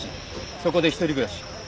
そこで一人暮らし。